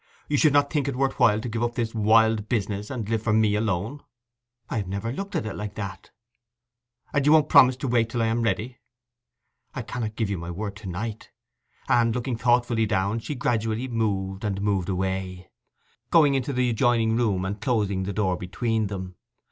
'You would not think it worth while to give up this wild business and live for me alone?' 'I have never looked at it like that.' 'And you won't promise and wait till I am ready?' 'I cannot give you my word to night.' And, looking thoughtfully down, she gradually moved and moved away, going into the adjoining room, and closing the door between them.